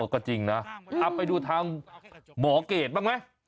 ก็จริงนะเอาไปดูทางหมอเกรดบ้างไหม